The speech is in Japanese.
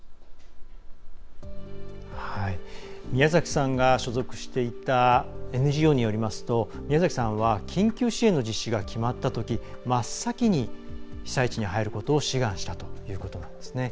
宮崎さんが所属していたＮＧＯによりますと、宮崎さんは緊急支援の実施が決まったとき真っ先に被災地に入ることを志願したということなんですね。